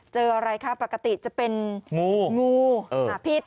เจออะไรคะปกติจะเป็นงูงูหาพิษ